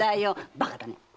バカだね！